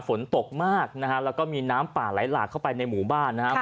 ฝนตกมากนะฮะแล้วก็มีน้ำป่าไหลหลากเข้าไปในหมู่บ้านนะครับ